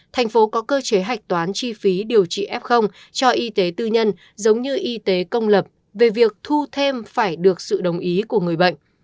thành phố có cơ chế hạch toán chi phí điều trị f cho y tế tư nhân giống như y tế công lập về việc thu thêm phải được sự đồng ý của người bệnh